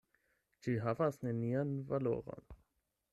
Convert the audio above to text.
Ĝi havas nenian valoron.